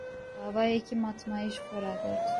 Bi awayekî matmayî ji xwe re got: